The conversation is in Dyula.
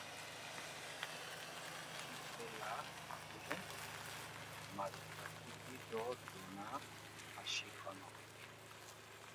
Sufɛla kelen, marifatigi dɔ donna Fashit kɔnɔ.